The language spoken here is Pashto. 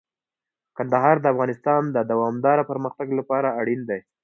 کندهار د افغانستان د دوامداره پرمختګ لپاره اړین دی.